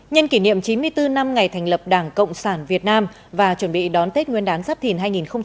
nhân kỷ niệm chín mươi bốn năm ngày thành lập đảng cộng sản việt nam và chuẩn bị đón tết nguyên đán giáp thìn hai nghìn hai mươi bốn